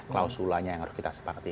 klausulannya yang harus kita sepakati